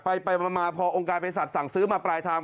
ไปมาพอองค์การเพศสัตว์สั่งซื้อมาปลายทาง